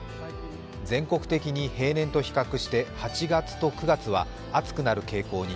全国的に平年と比較して８月と９月は暑くなる傾向に。